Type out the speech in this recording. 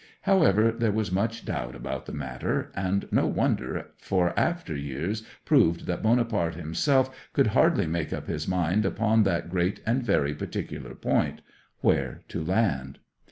However, there was much doubt upon the matter; and no wonder, for after years proved that Bonaparte himself could hardly make up his mind upon that great and very particular point, where to land.